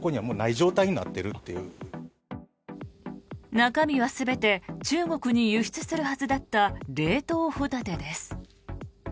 中身は全て中国に輸出するはずだった冷凍ホタテです。